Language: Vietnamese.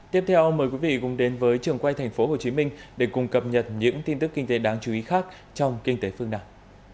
tiếp theo mời quý vị cùng đến với trường quay tp hcm để cùng cập nhật những tin tức kinh tế đáng chú ý khác trong kinh tế phương nam